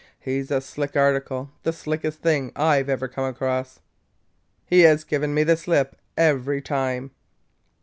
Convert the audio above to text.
He 's a slick article the slickest thing I ever came across! He has given me the slip every time!"